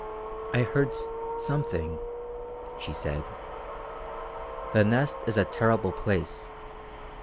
"I heard something," she said. "The Nest is a terrible place.